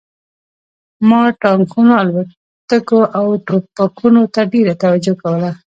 ما ټانکونو الوتکو او ټوپکونو ته ډېره توجه کوله